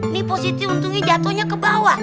nih positi untungnya jatohnya ke bawah